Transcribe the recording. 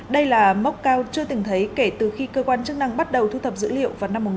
đây là mốc cao chưa từng thấy kể từ khi cơ quan chức năng bắt đầu thu thập dữ liệu vào năm một nghìn chín trăm tám mươi